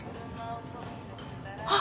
あっ！